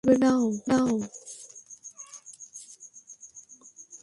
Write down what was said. করবে না ও।